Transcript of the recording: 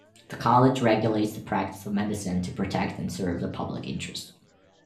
The College regulates the practice of medicine to protect and serve the public interest.